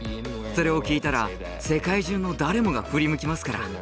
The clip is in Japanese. それを聞いたら世界中の誰もが振り向きますから。